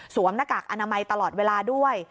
หน้ากากอนามัยตลอดเวลาด้วย